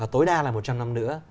tối đa là một trăm linh năm nữa